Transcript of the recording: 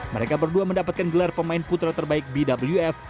mereka berdua mendapatkan gelar pemain putra terbaik bwf